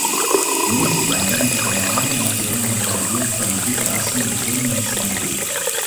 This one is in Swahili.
Messi ambaye mkataba wake na Barcelona unatarajiwa kutamatika rasmi mwishoni mwa msimu huu